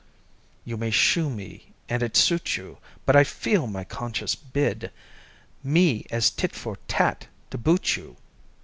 "You may shoo me, and it suit you, But I feel my conscience bid Me, as tit for tat, to boot you!"